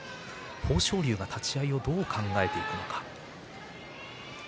豊昇龍が立ち合いをどう考えていくのか。